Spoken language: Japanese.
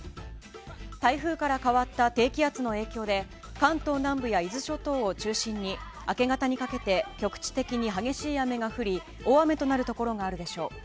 台風から変わった低気圧の影響で関東南部や伊豆諸島を中心に明け方にかけて局地的に激しい雨が降り大雨となるところがあるでしょう。